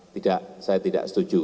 tidak saya tidak setuju